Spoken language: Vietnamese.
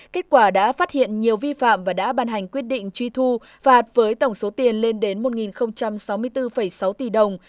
kết quả đã phát hiện nhiều vi phạm và đã ban hành quyết định truy thu phạt với tổng số tiền lên đến một sáu mươi bốn sáu tỷ đồng